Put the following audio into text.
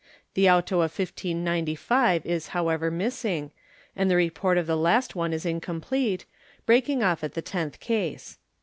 The auto of 1595 is however missing and the report of the last one is incomplete, breaking off at the tenth case.